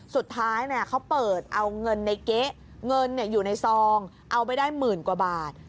สุดท้ายเขาเปิดเอาเงินในเก๊ะเงินอยู่ในซองเอาไปได้หมื่นกว่าบาท